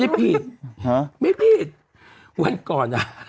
ไม่ผิดฮะไม่ผิดวันก่อนอ่ะ